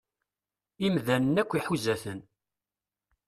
Imdanen akk iḥuza-ten.